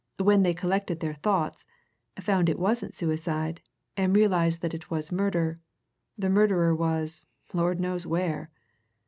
When they collected their thoughts, found it wasn't suicide, and realized that it was murder, the murderer was Lord knows where!